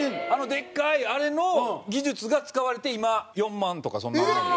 でっかいあれの技術が使われて今４万とかそんなもんで。